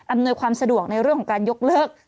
ความสะดวกในเรื่องของการยกเลิก